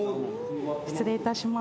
失礼いたします。